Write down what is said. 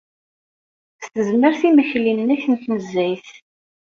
S tezmert imekli-nnek n tnezzayt.